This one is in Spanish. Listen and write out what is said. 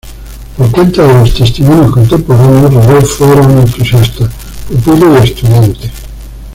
Por cuenta de los testimonios contemporáneos, Rodolfo era un entusiasta pupilo y estudiante.